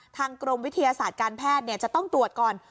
ทางกรมวิทยาศาสตร์การแพทย์จะต้องตรวจก่อน